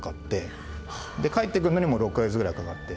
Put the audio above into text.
で帰ってくるのにも６カ月ぐらいかかって。